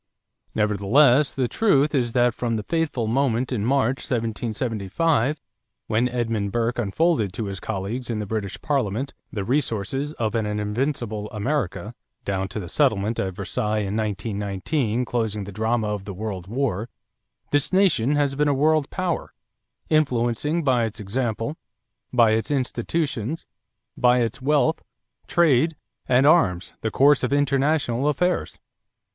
Nevertheless, the truth is that from the fateful moment in March, 1775, when Edmund Burke unfolded to his colleagues in the British Parliament the resources of an invincible America, down to the settlement at Versailles in 1919 closing the drama of the World War, this nation has been a world power, influencing by its example, by its institutions, by its wealth, trade, and arms the course of international affairs.